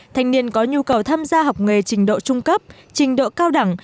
thanh niên có nhu cầu tham gia học nghề trình độ trung cấp trình độ cao đẳng